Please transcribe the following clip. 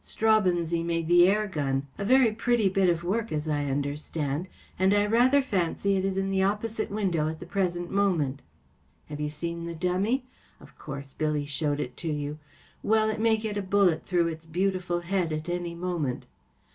Straubenzee made the air gun‚ÄĒa very pretty bit of work, as I understand, and I rather fancy it is in the opposite window at the present moment. Have you seen the dummy ? Of course, Billy showed it to you. Well, it may get a bullet through its beautiful head at any moment.